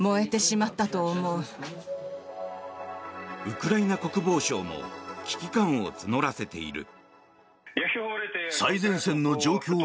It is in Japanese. ウクライナ国防省も危機感を募らせている。